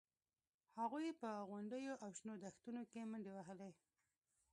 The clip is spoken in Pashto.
هغوی په غونډیو او شنو دښتونو کې منډې وهلې